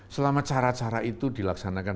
selama cara cara itu dilaksanakan